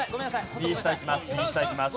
右下いきます。